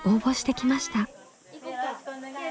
よろしくお願いします。